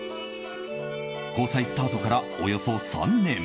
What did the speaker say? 交際スタートからおよそ３年。